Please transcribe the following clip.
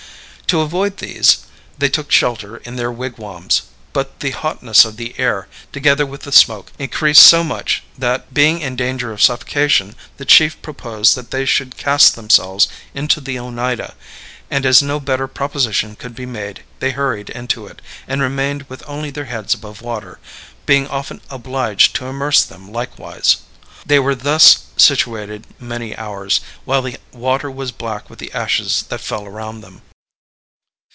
To avoid these, they took shelter in their wigwams, but the hotness of the air, together with the smoke, increased so much that, being in danger of suffocation, the chief proposed that they should cast themselves into the Oneida; and as no better proposition could be made, they hurried into it, and remained with only their heads above water, being often obliged to immerse them likewise. They were thus situated many hours, while the water was black with the ashes that fell around them.